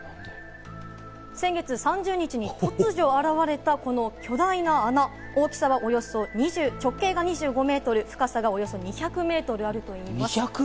先月３０日に突如現れたこの巨大な穴、大きさはおよそ直径が２５メートル、深さがおよそ２００メートルあるということです。